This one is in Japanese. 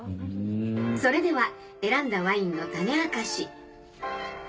それでは選んだワインの種明かし。